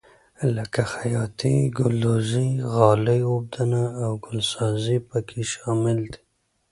لکه خیاطي ګلدوزي غالۍ اوبدنه او ګلسازي پکې شامل دي.